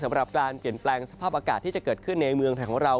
สำหรับการเปลี่ยนแปลงสภาพอากาศที่จะเกิดขึ้นในเมืองไทยของเรา